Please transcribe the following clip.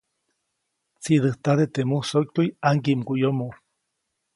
Tsiʼdäjtade teʼ musokyuʼy ʼaŋgiʼmguʼyomo.